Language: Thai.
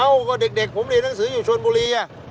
เอ้าก็เด็กผมเรียนหนังสืออยู่ชนบุรี